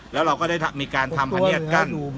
แล้วเราก็ได้มีการทำพเนียดกั้น